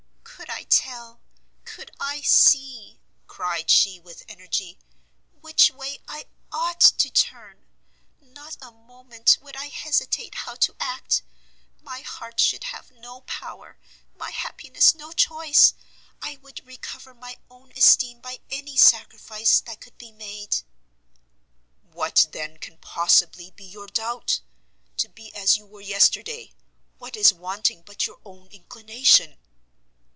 "Could I tell, could I see," cried she, with energy, "which way I ought to turn, not a moment would I hesitate how to act! my heart should have no power, my happiness no choice, I would recover my own esteem by any sacrifice that could be made!" "What, then, can possibly be your doubt? To be as you were yesterday what is wanting but your own inclination?"